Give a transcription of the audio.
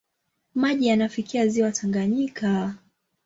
Maji yanafikia ziwa Tanganyika.